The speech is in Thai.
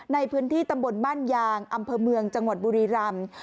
ในพื้นที่ตำบลบ้านยางอำเภอเมืองจังหวัดบุรีรำ